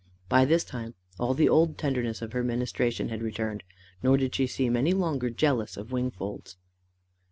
By this time all the old tenderness of her ministration had returned, nor did she seem any longer jealous of Wingfold's.